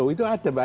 itu ada pak